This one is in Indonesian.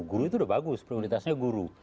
guru itu udah bagus prioritasnya guru